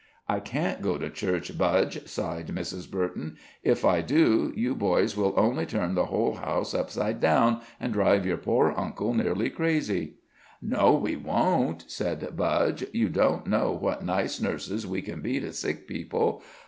"I can't go to church, Budge," sighed Mrs. Burton. "If I do, you boys will only turn the whole house upside down, and drive your poor uncle nearly crazy." "No, we won't," said Budge. "You don't know what nice nurses we can be to sick people.